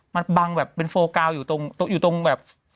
มันบังแบบเป็นโฟกาวอยู่ตรงแบบ